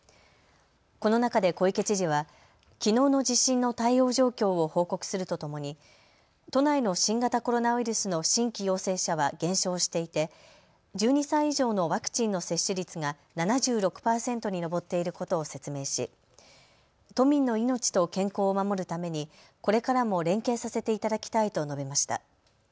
この中で小池知事はきのうの地震の対応状況を報告するとともに都内の新型コロナウイルスの新規陽性者は減少していて１２歳以上のワクチンの接種率が７６％に上っていることを説明し都民の命と健康を守るためにこれからも連携させていただきたいと述べました。